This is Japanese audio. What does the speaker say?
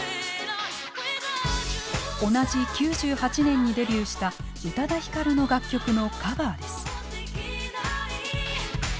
同じ９８年にデビューした宇多田ヒカルの楽曲のカバーです。